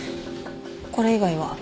これ以外は。